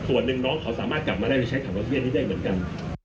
ส่วนนึงน้องเขาสามารถกลับมาได้ไปใช้ขวดออกซีเจนได้เหมือนกัน